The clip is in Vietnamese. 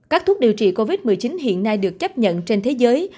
các thuốc điều trị covid một mươi chín hiện nay được chấp nhận trên thế giới